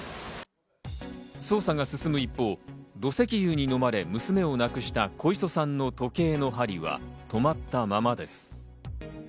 捜査が進む一方、土石流にのまれ、娘を亡くした小磯さんの時計の針は止まったままです。